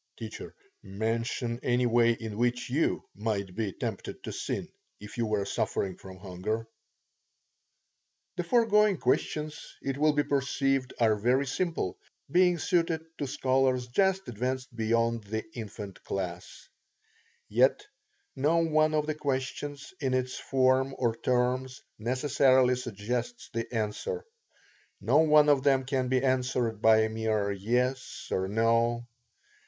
T. Mention any way in which you might be tempted to sin, if you were suffering from hunger? The foregoing questions, it will be perceived, are very simple, being suited to scholars just advanced beyond the infant class. Yet no one of the questions, in its form, or terms, necessarily suggests the answer. No one of them can be answered by a mere "yes" or "no."